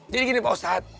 jadi gini pausat